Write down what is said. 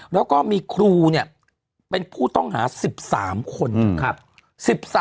แล้วก็มีครูเนี่ยเป็นผู้ต้องหา๑๓คน